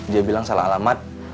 dia bilang salah alamat